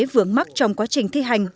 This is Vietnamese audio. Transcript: vướng mắc trong quá trình thi hành